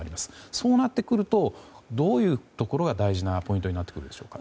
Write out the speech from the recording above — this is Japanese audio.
そうなってくるとどういうところが大事なポイントになってくるでしょうか。